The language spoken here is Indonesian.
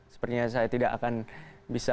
sepertinya saya tidak akan bisa